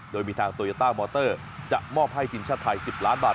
โดยมีทางโตโยต้ามอเตอร์จะมอบให้ทีมชาติไทย๑๐ล้านบาท